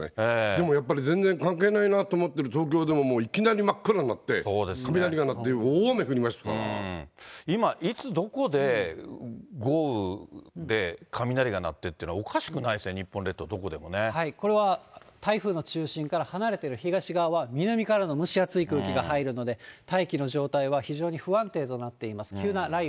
でもやっぱり、全然関係ないなと思ってる東京でももういきなり真っ暗になって、今、いつ、どこで豪雨で雷が鳴ってっていうのは、おかしくないですね、日本列島、これは台風の中心から離れてる東側、南からの蒸し暑い空気が入るので、大気の状態は非常に不安定となっています。